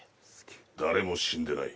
誰も死んでない。